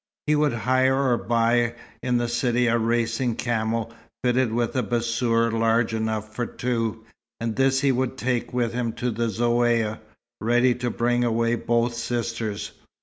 He would hire or buy in the city a racing camel fitted with a bassour large enough for two, and this he would take with him to the Zaouïa, ready to bring away both sisters.